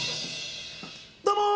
どうもー！